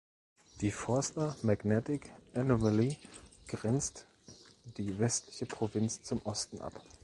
Die Forster Magnetic Anomaly grenzt die westliche Provinz zum Osten ab.